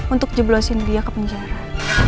untuk jeblosin dia ke penjara